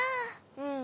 うん。